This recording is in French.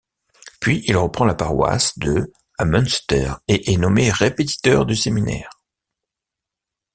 Puis il reprend la paroisse de à Münster et est nommé répétiteur du séminaire.